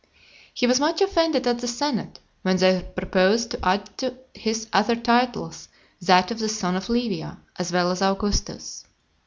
He was much offended at the senate, when they proposed to add to his other titles that of the Son of Livia, as well as Augustus.